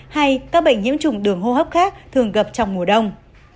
hay các bệnh nhiễm trùng đường hô hấp khác thường gặp trong mùa đông